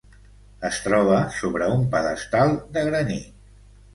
Es troba sobre un pedestal de granit.